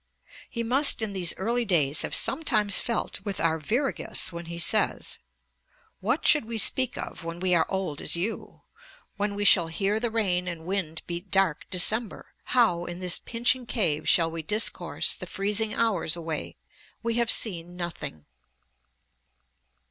He must in these early days have sometimes felt with Arviragus when he says: 'What should we speak of When we are old as you? when we shall hear The rain and wind beat dark December, how In this our pinching cave, shall we discourse The freezing hours away? We have seen nothing.'